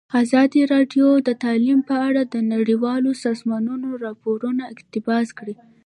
ازادي راډیو د تعلیم په اړه د نړیوالو سازمانونو راپورونه اقتباس کړي.